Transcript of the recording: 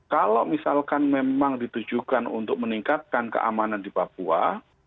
kalau misalkan memang ditujukan untuk meningkatkan keamanan di papua